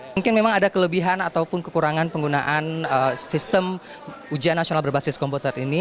mungkin memang ada kelebihan ataupun kekurangan penggunaan sistem ujian nasional berbasis komputer ini